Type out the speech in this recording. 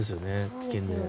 危険で。